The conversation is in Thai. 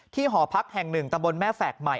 ที่หอพักแห่งหนึ่งตำบลแม่แฝกใหม่